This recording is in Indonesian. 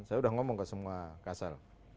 saya sudah ngomong ke semua kasel